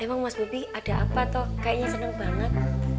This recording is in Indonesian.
emang mas bobi ada apa tuh kayaknya seneng banget